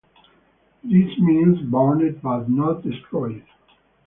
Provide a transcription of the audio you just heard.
This means burned but not destroyed.